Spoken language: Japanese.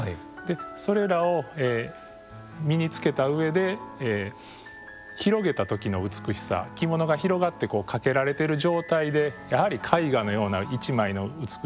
それらを身につけた上で広げた時の美しさ着物が広がって掛けられている状態でやはり絵画のような１枚の美しさ